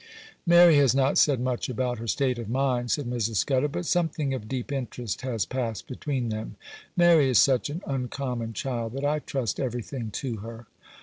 'Mary has not said much about her state of mind,' said Mrs. Scudder; 'but something of deep interest has passed between them. Mary is such an uncommon child that I trust everything to her.